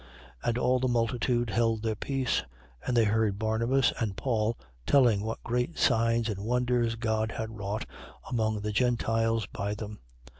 15:12. And all the multitude held their peace: and they heard Barnabas and Paul telling what great signs and wonders God had wrought among the Gentiles by them.